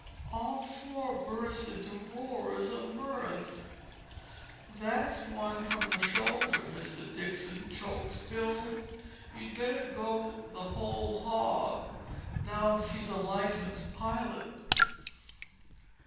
All four burst into roars of mirth. "That's one from the shoulder, Mr. Dixon," choked Bill. "You'd better go the whole hog, now she's a licensed pilot!"